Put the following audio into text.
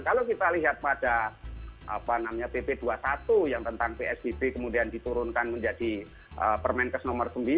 kalau kita lihat pada pp dua puluh satu yang tentang psbb kemudian diturunkan menjadi permenkes nomor sembilan